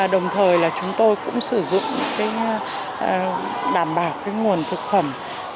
đồng thời là chúng tôi cũng sử dụng đảm bảo nguồn thực phẩm